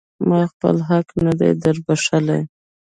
ما خپل حق نه دی در بښلی.